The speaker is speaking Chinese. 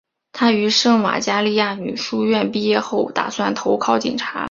她于圣玛加利女书院毕业后本来打算投考警察。